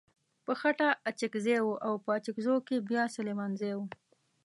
په خټه اڅکزی و او په اڅګزو کې بيا سليمانزی و.